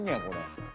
これ。